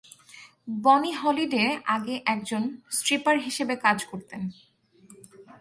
বনি হলিডে আগে একজন স্ট্রিপার হিসেবে কাজ করতেন।